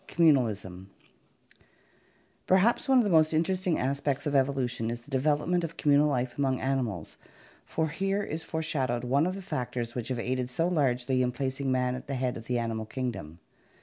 Communalism Perhaps one of the most interesting aspects of evolution is the development of communal life among animals, for here is fore shadowed one of the factors which have aided so largely in placing man at the head of the animal kingdom.